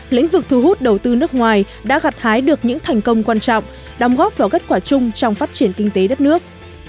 lĩnh vực thu hút đầu tư nước ngoài đã gặt hái được những thành công quan trọng đóng góp vào kết quả chung trong phát triển kinh tế đất nước